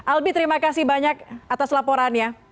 albi terima kasih banyak atas laporannya